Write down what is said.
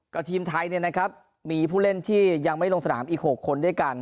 ทีมไทยเนี่ยนะครับมีผู้เล่นที่ยังไม่ลงสนามอีก๖คนด้วยกัน